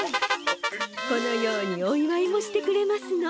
このようにおいわいもしてくれますの。